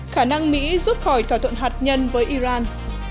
khả năng mỹ rút khỏi thỏa thuận hạt nhân với iran